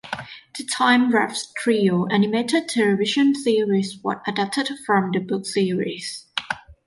"The Time Warp Trio" animated television series was adapted from the book series.